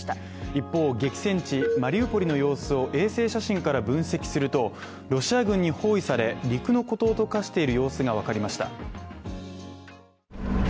一方、激戦地マリウポリの様子を衛星写真から分析するとロシア軍に包囲され、陸の孤島と化している様子が分かりました。